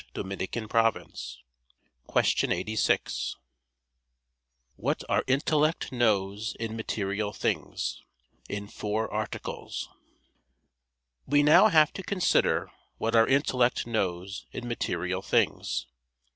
_______________________ QUESTION 86 WHAT OUR INTELLECT KNOWS IN MATERIAL THINGS (In Four Articles) We now have to consider what our intellect knows in material things.